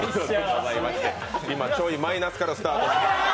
今、ちょいマイナスからスタートしています。